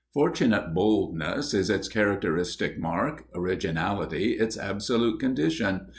Fortunate boldness is its characteristic mark; originality its absolute condition.